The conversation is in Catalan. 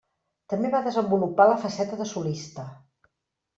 També va desenvolupar la faceta de solista.